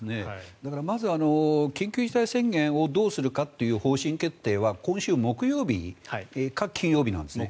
だから、まず緊急事態宣言をどうするかっていう方針決定は今週木曜日か金曜日なんですね。